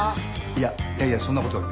いやいやいやそんな事は。